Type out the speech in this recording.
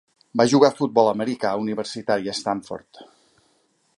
Va jugar a futbol americà universitari a Stanford.